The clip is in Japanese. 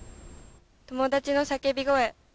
友達の叫び声。